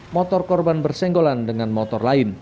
motor korban bersenggolan dengan motor lain